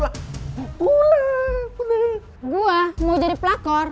gua mau jadi pelakor